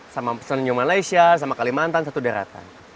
sama penyelenggaraan malaysia sama kalimantan satu daerah kan